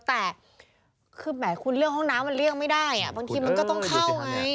แต่คือแหมคุณเรื่องห้องน้ำมันเลี่ยงไม่ได้บางทีมันก็ต้องเข้าไง